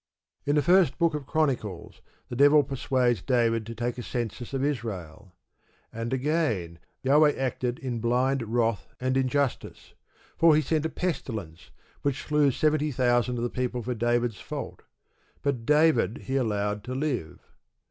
In the First Book of Chronicles the devil persuades David to take a census of Israel. And again Jahweh acted in blind wrath and injustice, for he sent a pestilence, which slew seventy thousand of the people for David's fault. _But David he allowed to live.